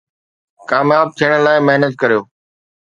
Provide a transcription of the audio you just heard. ڪامياب ٿيڻ لاءِ محنت ڪريو